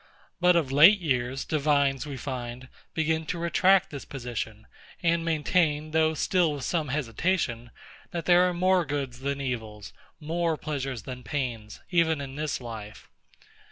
But of late years, divines, we find, begin to retract this position; and maintain, though still with some hesitation, that there are more goods than evils, more pleasures than pains, even in this life.